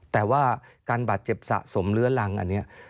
แต่ว่าการบาดเจ็บสะสมเลื้อรังอันนี้